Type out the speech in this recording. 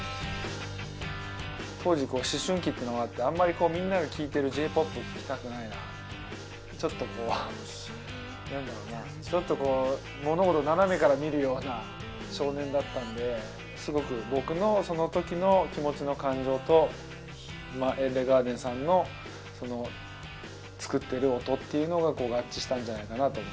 当時こう思春期っていうのもあってあんまりみんなが聴いてるＪ−ＰＯＰ聴きたくないなっていうちょっとこう何だろうなちょっとこう物事を斜めから見るような少年だったんですごく僕のその時の気持ちの感情とＥＬＬＥＧＡＲＤＥＮさんの作ってる音っていうのが合致したんじゃないかなと思います。